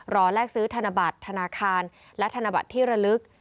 แลกซื้อธนบัตรธนาคารและธนบัตรที่ระลึก